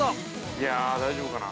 ◆いやー、大丈夫かな。